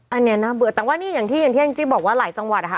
อันนี้น่าเบื่อแต่ว่านี่อย่างที่อย่างที่แองจี้บอกว่าหลายจังหวัดนะคะ